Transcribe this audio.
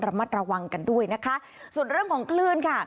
ระมัดระวังกันด้วยนะคะส่วนเรื่องของคลื่นค่ะ